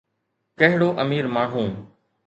ڪهڙو امير ماڻهو.